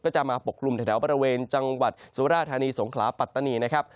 จะมาปกกลุ่มแถวบริเวณจังหวัดสุราธานีสงขลาปัตตานีนะครับ